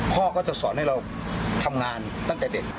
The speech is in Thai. พ่อก็จะสอนให้เราทำงานตั้งแต่เด็ก